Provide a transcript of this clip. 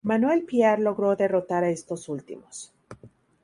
Manuel Piar logró derrotar a estos últimos.